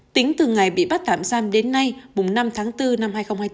tính từ ngày bị bắt tạm giam đến nay năm tháng bốn năm hai nghìn hai mươi bốn